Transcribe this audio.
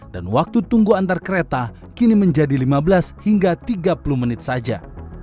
dan waktu tunggu antar kereta kini menjadi lima belas hingga tiga puluh menit saja